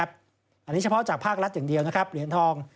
อันนี้เฉพาะจากภาครัฐอย่างเดียวนะครับเหรียญทอง